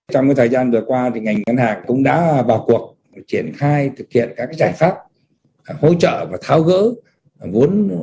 trong thời gian vừa qua ngành ngân hàng cũng đã vào cuộc triển khai thực hiện các giải pháp hỗ trợ và tháo gỡ vốn